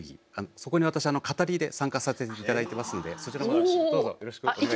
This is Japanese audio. そこに私語りで参加させていただいてますのでそちらもどうぞよろしくお願いいたします。